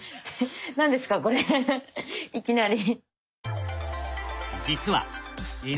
何ですかこれいきなり。